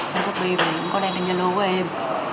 không có tùy mình không có đen đen gia lô của em